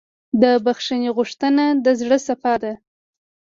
د بښنې غوښتنه د زړه صفا ده.